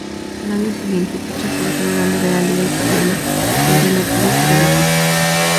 Al año siguiente ficha por otro grande de la liga italiana, el Benetton Treviso.